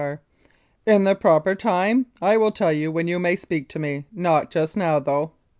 : In the proper time. I will tell you when you may speak to me. Not just now, though.